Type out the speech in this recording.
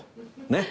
ねっ？